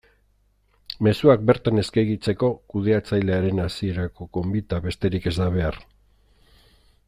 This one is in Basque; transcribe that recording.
Mezuak bertan eskegitzeko kudeatzailearen hasierako gonbita besterik ez da behar.